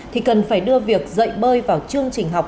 thì cần phải đưa việc dạy bơi vào chương trình học